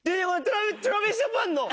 ＴｒａｖｉｓＪａｐａｎの。